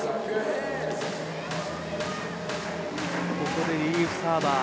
ここでリリーフサーバー。